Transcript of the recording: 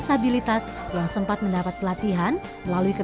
semoga mbak plata lebih bagus